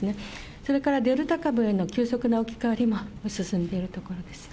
それからデルタ株への急速な置き換わりも進んでいるところです。